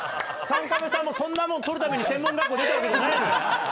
３カメさんもそんなもん撮るために専門学校出たわけじゃないのよ。